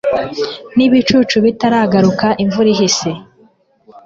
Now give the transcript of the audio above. n'ibicu bitaragaruka imvura ihise